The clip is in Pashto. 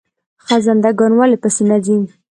خزنده ګان ولې په سینه ځي؟